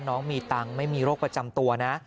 น้องมีตังค์ไม่มีโรคประจำตัวนะ